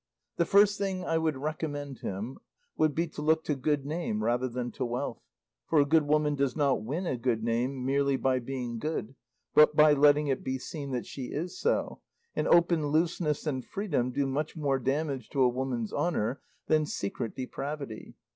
The first thing I would recommend him, would be to look to good name rather than to wealth, for a good woman does not win a good name merely by being good, but by letting it be seen that she is so, and open looseness and freedom do much more damage to a woman's honour than secret depravity.